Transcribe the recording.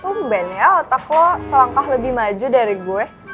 bumben ya otak lo selangkah lebih maju dari gue